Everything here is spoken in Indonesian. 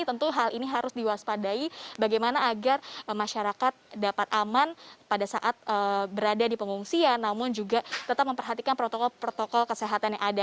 tentu hal ini harus diwaspadai bagaimana agar masyarakat dapat aman pada saat berada di pengungsian namun juga tetap memperhatikan protokol protokol kesehatan yang ada